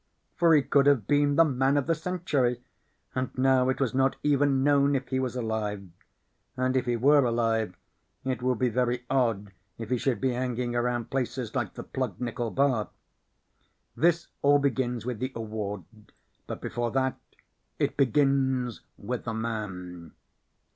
For he could have been the man of the century, and now it was not even known if he was alive. And if he were alive, it would be very odd if he would be hanging around places like the Plugged Nickel Bar. This all begins with the award. But before that it begins with the man.